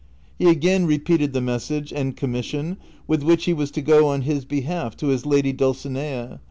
He again repeated the mes sage and commission with which he was to go on his behalf to his lad} Dulcinea.